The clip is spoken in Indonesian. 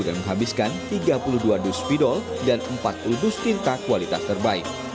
dan menghabiskan tiga puluh dua dus fidol dan empat puluh dus tinta kualitas terbaik